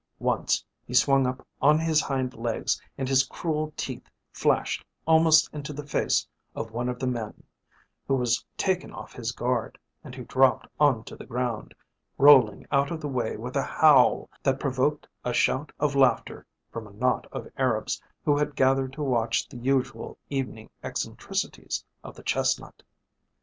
Once he swung up on his hind legs and his cruel teeth flashed almost into the face of one of the men, who was taken off his guard, and who dropped on to the ground, rolling out of the way with a howl that provoked a shout of laughter from a knot of Arabs who had gathered to watch the usual evening eccentricities of the chestnut.